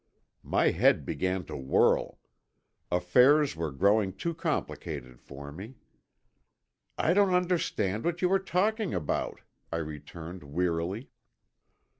My head began to whirl. Affairs were growing too complicated for me. "I don't understand what you are talking about," I returned wearily.